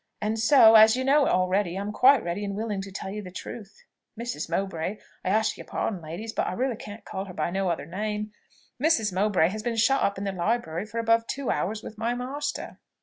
And so, as you know it already, I'm quite ready and willing to tell you the truth. Mrs. Mowbray, I ask your pardon, ladies, but I really can't call her by no other name, Mrs. Mowbray has been shut up in the library for above two hours with my master."